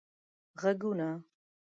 ږغونه